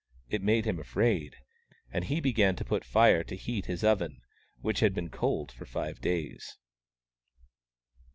It made him afraid, and he began to put Fire to heat his oven, which had been cold for five days.